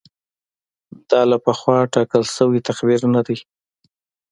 دا له پخوا ټاکل شوی تقدیر نه دی.